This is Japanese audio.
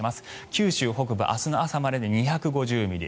九州北部明日の朝までに２５０ミリ